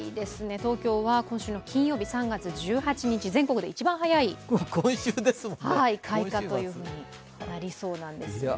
東京は今週の金曜日３月１８日全国で一番早い開花となりそうなんです。